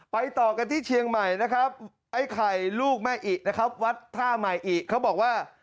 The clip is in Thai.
ไปต่อกันที่เชียงใหม่ไอ้ไข่ลูกแม่อิวัฒน์ท่าแหม่อิเค้าบอกว่า